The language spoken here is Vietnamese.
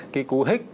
cái cú hích